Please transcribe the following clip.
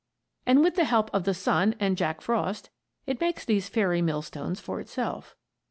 And with the help of the sun and Jack Frost it makes these fairy millstones for itself.